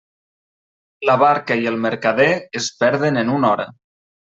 La barca i el mercader es perden en una hora.